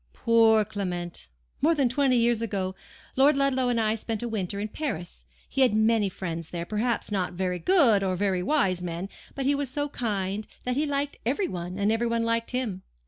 "Poor Clement! More than twenty years ago, Lord Ludlow and I spent a winter in Paris. He had many friends there; perhaps not very good or very wise men, but he was so kind that he liked every one, and every one liked him.